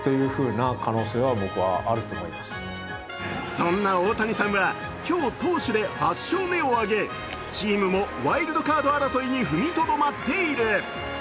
そんな大谷さんは今日、投手で８勝目を挙げチームもワイルドカード争いに踏みとどまっている。